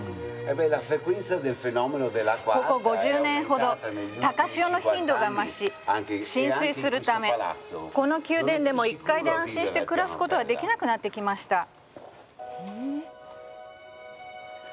ここ５０年ほど高潮の頻度が増し浸水するため、この宮殿でも１階で安心して暮らすことはできなくなってきました。